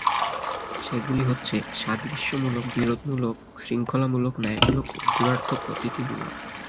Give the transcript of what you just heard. সেগুলি হচ্ছে: সাদৃশ্যমূলক, বিরোধমূলক, শৃঙ্খলামূলক, ন্যায়মূলক ও গূঢ়ার্থপ্রতীতিমূলক।